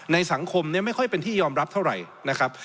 ในสังคมไม่ค่อยเป็นที่ยอมรับเท่าไหร่